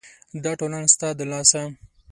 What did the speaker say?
دا ټوله ستا د لاسه !